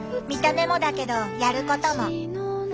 見た目もだけどやることも。